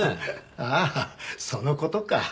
ああその事か。